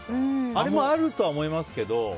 あれもあるとは思いますけど。